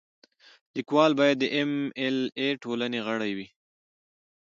لیکوال باید د ایم ایل اې ټولنې غړی وي.